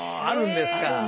あるんですか。